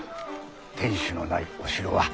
天守のないお城は。